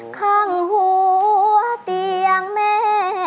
ข้างหัวเตียงแม่